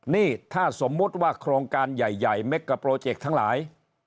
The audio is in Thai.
นี่ถ้าสมมุติว่าโครงการใหญ่เม็กกะโปรเจกต์ทั้งหลาย